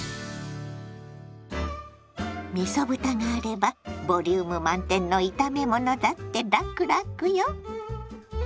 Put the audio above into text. みそ豚があればボリューム満点の炒め物だってラクラクよ。